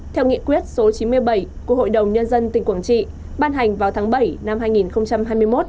theo nghị quyết số chín mươi bảy của hội đồng nhân dân tỉnh quảng trị ban hành vào tháng bảy năm hai nghìn hai mươi một